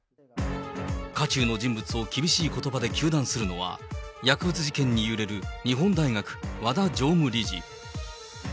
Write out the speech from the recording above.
渦中の人物を厳しいことばで糾弾するのは、薬物事件に揺れる日本大学、和田常務理事。